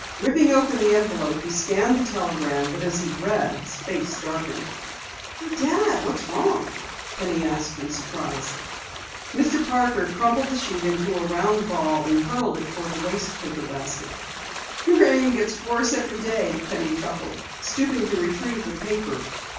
Ripping open the envelope, he scanned the telegram, but as he read, his face darkened. "Why, Dad, what's wrong?" Penny asked in surprise. Mr. Parker crumpled the sheet into a round ball and hurled it toward the waste paper basket. "Your aim gets worse every day," Penny chuckled, stooping to retrieve the paper.